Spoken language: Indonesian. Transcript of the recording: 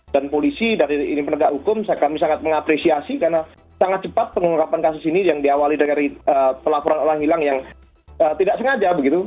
dan polisi dari penegak hukum kami sangat mengapresiasi karena sangat cepat pengungkapan kasus ini yang diawali dari pelaporan orang hilang yang tidak sengaja begitu